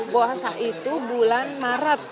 puasa itu bulan maret